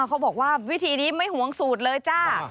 เขาบอกว่าวิธีนี้ไม่หวงสูตรเลยจ้า